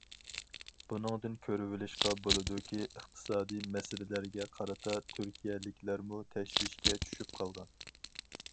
بۇنىڭدىن كۆرۈۋېلىشقا بولىدۇكى ئىقتىسادىي مەسىلىلەرگە قارىتا تۈركىيەلىكلەرمۇ تەشۋىشكە چۈشۈپ قالغان.